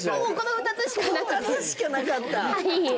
２つしかなかったはい！